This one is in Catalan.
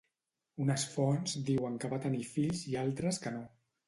Unes fonts diuen que va tenir fills i altres que no.